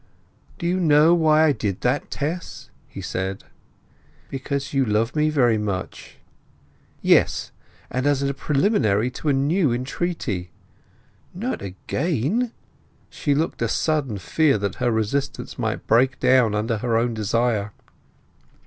"Do you know why I did that, Tess?" he said. "Because you love me very much!" "Yes, and as a preliminary to a new entreaty." "Not again!" She looked a sudden fear that her resistance might break down under her own desire.